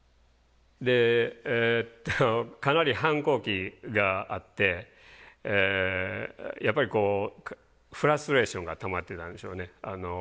でかなり反抗期があってやっぱりこうフラストレーションがたまってたんでしょうね。